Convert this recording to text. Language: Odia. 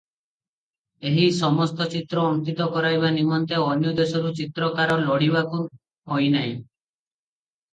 ଏହି ସମସ୍ତ ଚିତ୍ର ଅଙ୍କିତ କରାଇବା ନିମନ୍ତେ ଅନ୍ୟଦେଶରୁ ଚିତ୍ରକାର ଲୋଡ଼ିବାକୁ ହୋଇନାହିଁ ।